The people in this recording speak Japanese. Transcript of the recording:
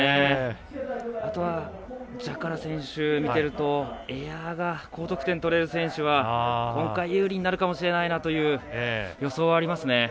あとはこの選手見てるとエアが高得点取れる選手は今回、有利になるかもしれないなという予想はありますね。